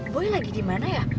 boy lagi di mana ya